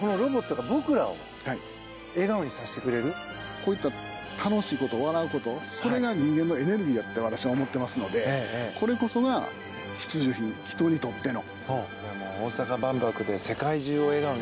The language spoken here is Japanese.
こういった楽しいこと笑うことが人間のエネルギーだと思ってますのでこれこそが必需品人にとっての。